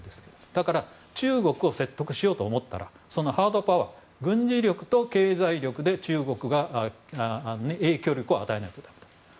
だから中国を説得しようと思ったらハードパワー、軍事力と経済力で中国が影響力を与える。